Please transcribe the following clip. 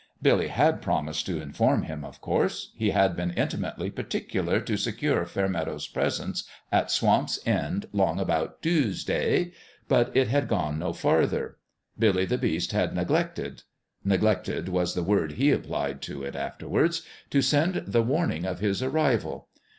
Billy had promised to inform him, of course : he had been intimately particular to secure Fairmeadow's presence at Swamp's End " 'long about Toosday." But it had gone no farther: Billy the Beast had BILLY the BEAST STARTS HOME 117 neglected "neglected" was the word he ap plied to it afterwards to send the warning of his arrival.